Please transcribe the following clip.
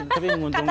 tapi ungu untung kan